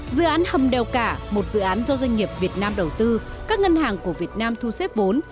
dự án hầm đèo cả một dự án do doanh nghiệp việt nam đầu tư các ngân hàng của việt nam thu xếp vốn